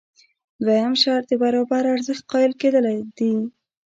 دویم شرط د برابر ارزښت قایل کېدل دي.